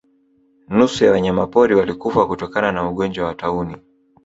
Nusu ya wanyamapori walikufa kutokana na ugonjwa wa tauni